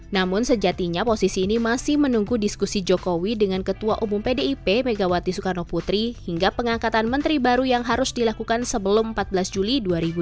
namun sejatinya posisi ini masih menunggu diskusi jokowi dengan ketua umum pdip megawati soekarno putri hingga pengangkatan menteri baru yang harus dilakukan sebelum empat belas juli dua ribu dua puluh